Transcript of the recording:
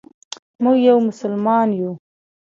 موږ یو مسلمان یو.